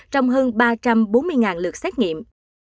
trong hơn ba trăm bốn mươi lượt xét nghiệm